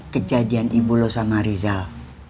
kejadian ibu lo sama rizal